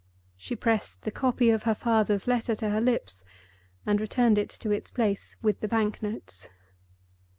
She pressed the copy of her father's letter to her lips, and returned it to its place with the banknotes.